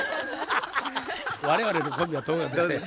我々のコンビはともかくですね